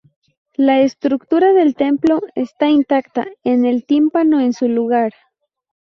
La estructura del templo está intacta con el tímpano en su lugar.